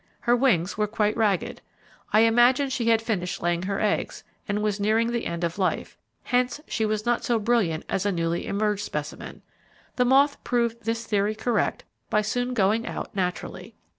Her wings were quite ragged. I imagined she had finished laying her eggs, and was nearing the end of life, hence she was not so brilliant as a newly emerged specimen. The moth proved this theory correct by soon going out naturally.